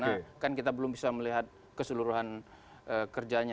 sehingga kita bisa melihat keseluruhan kerjanya